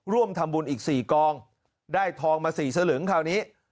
ร่วมทำบุญอีก๔กองได้ทองมา๔สลึงคราวนี้